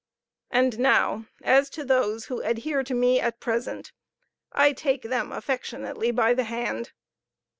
And now, as to those who adhere to me at present, I take them affectionately by the hand.